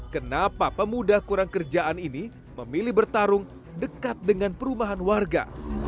kenapa pemuda kurang kerjaan ini memilih bertarung dekat dengan perumahan warga